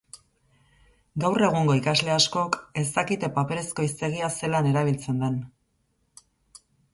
Gaur egungo ikasle askok ez dakite paperezko hiztegia zelan erabiltzen den.